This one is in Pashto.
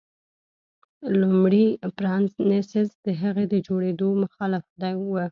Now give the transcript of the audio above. لومړي فرانسیس د هغې د جوړېدو مخالف و.